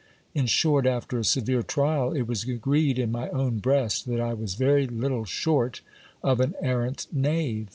In short, after a severe trial, it was agreed in my own breast, that I was very little short of an arrant knave.